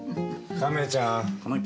亀ちゃん？